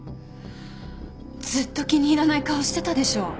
ずっと気に入らない顔してたでしょ？